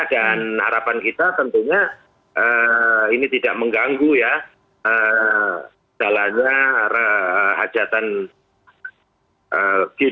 dan harapan kita tentunya ini tidak mengganggu ya misalnya hajatan g dua puluh ya